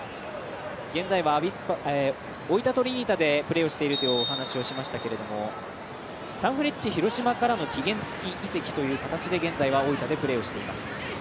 現在は大分トリニータでプレーをしているという話をしましたけれどもサンフレッチェ広島からの期限付き移籍という形で現在は大分でプレーをしています。